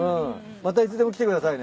またいつでも来てくださいね。